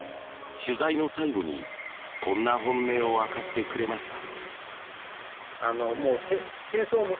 取材の最後に、こんな本音を明かしてくれました。